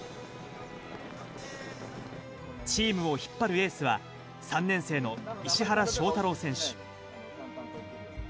チームを引っ張るエースは、３年生の石原翔太郎選手。